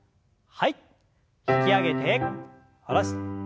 引き上げて下ろして。